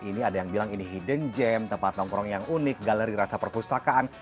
ini ada yang bilang ini hidden gem tempat nongkrong yang unik galeri rasa perpustakaan